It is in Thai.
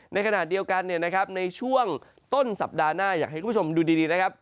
ในขณะเดียวกันในช่วงต้นสัปดาห์หน้าอยากให้คุณผู้ชมดูดีนะครับ